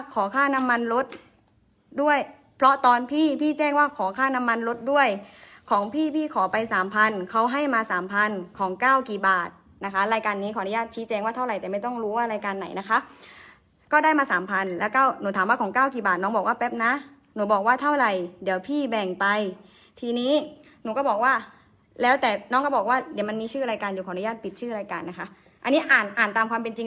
ก้าวกี่บาทนะคะรายการนี้ขออนุญาตชี้แจ้งว่าเท่าไหร่แต่ไม่ต้องรู้ว่ารายการไหนนะคะก็ได้มาสามพันแล้วก็หนูถามว่าของก้าวกี่บาทน้องบอกว่าแป๊บนะหนูบอกว่าเท่าไหร่เดี๋ยวพี่แบ่งไปทีนี้หนูก็บอกว่าแล้วแต่น้องก็บอกว่าเดี๋ยวมันมีชื่อรายการเดี๋ยวขออนุญาตปิดชื่อรายการนะคะอันนี้อ่านอ่านตามความเป็นจริง